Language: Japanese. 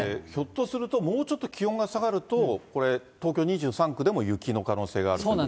ひょっとすると、もうちょっと気温が下がると、これ、東京２３区でも雪の可能性があると？